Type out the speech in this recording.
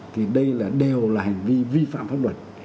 thì đây đều là hành vi vi phạm pháp luật